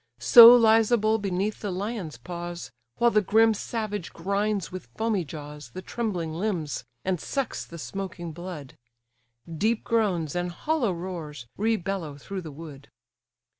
So lies a bull beneath the lion's paws, While the grim savage grinds with foamy jaws The trembling limbs, and sucks the smoking blood; Deep groans, and hollow roars, rebellow through the wood.